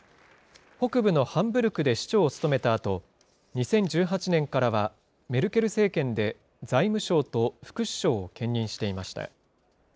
北部のハンブルクで市長を務めたあと、２０１８年からはメルケル政権で財務相と副首相を兼任していました。